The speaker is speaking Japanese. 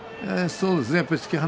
そうですね。